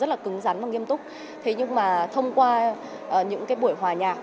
rất là cứng rắn và nghiêm túc thế nhưng mà thông qua những cái buổi hòa nhạc